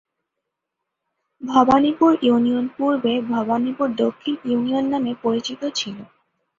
Bhabanipur union পূর্বে ভবানীপুর দক্ষিণ union নামে পরিচিত ছিল।